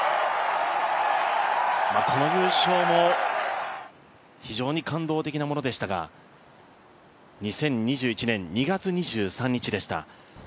この優勝も非常に感動的なものでしたが２０２１年２月２３日でした。